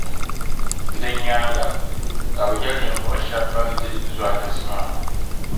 Din nyaaŋa, kabɛ yεli ninvuɣu shɛba ban di zualinsi maa.